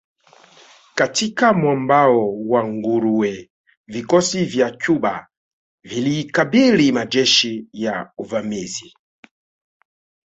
Katika mwambao wa nguruwe vikosi vya Cuba vilikabili majeshi ya uvamizi